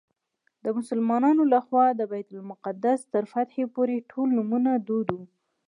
د مسلمانانو له خوا د بیت المقدس تر فتحې پورې ټول نومونه دود وو.